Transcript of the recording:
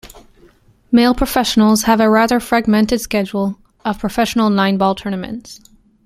Male professionals have a rather fragmented schedule of professional nine-ball tournaments.